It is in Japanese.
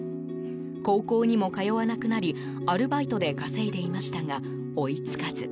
高校にも通わなくなりアルバイトで稼いでいましたが追いつかず。